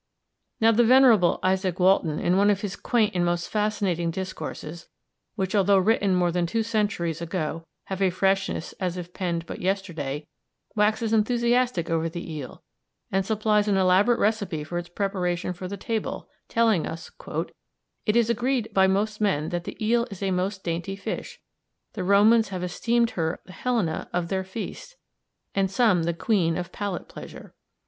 Now the venerable Izaak Walton, in one of his quaint and most fascinating discourses, which although written more than two centuries ago have a freshness as if penned but yesterday, waxes enthusiastic over the eel, and supplies an elaborate recipe for its preparation for the table, telling us "it is agreed by most men that the eel is a most dainty fish; the Romans have esteemed her the Helena of their feasts, and some the queen of palate pleasure."